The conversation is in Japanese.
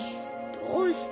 どうして？